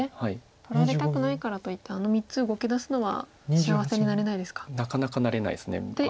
取られたくないからといってあの３つ動きだすのは幸せになれないですか。